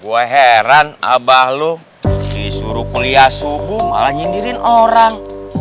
gue heran abah lo disuruh kuliah subuh malah nyinyirin orang